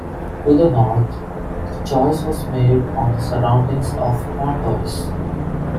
To the north, the choice was made on the surroundings of Pontoise.